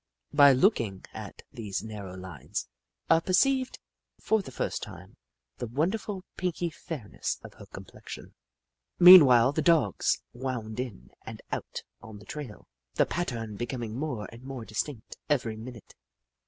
By looking at these narrow lines, I perceived, for the first time, the won derful pinky fairness of her complexion. Meanwhile the Dogs wound in and out on the trail, the pattern becoming more and more distinct every minute.